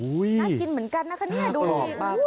หูยน่ากินเหมือนกันน่ะค่ะเนี่ยดูนิดหนึ่ง